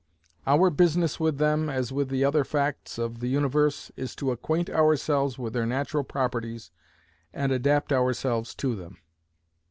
Our business with them, as with the other facts of the universe, is to acquaint ourselves with their natural properties, and adapt ourselves to them.